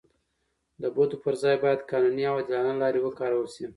د بدو پر ځای باید قانوني او عادلانه لارې وکارول سي.